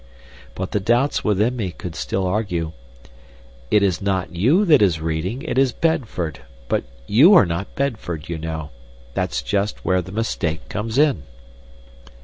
But the doubts within me could still argue: "It is not you that is reading, it is Bedford, but you are not Bedford, you know. That's just where the mistake comes in."